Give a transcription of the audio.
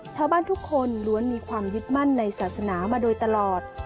ชาวบ้านทุกคนล้วนมีความยึดมั่นในศาสนามาโดยตลอด